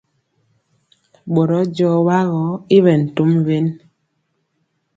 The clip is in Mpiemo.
Ɓorɔ jɔɔ wa gɔ i ɓɛ tom wen.